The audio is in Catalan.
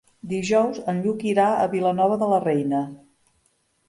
Dijous en Lluc irà a Vilanova de la Reina.